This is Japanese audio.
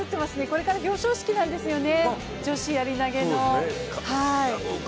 これから表彰式なんですよね、女子やり投の。